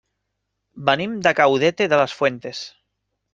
Venim de Caudete de las Fuentes.